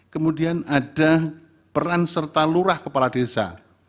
kemudian ada peran serta lurah kepala desa